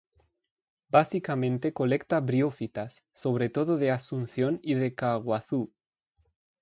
Básicamente colecta briófitas, sobre todo de Asunción y de Caaguazú.